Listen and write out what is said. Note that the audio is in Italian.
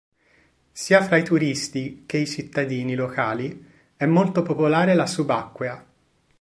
Sia fra i turisti che i cittadini locali è molto popolare la subacquea.